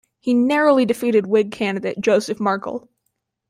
He narrowly defeated Whig candidate Joseph Markle.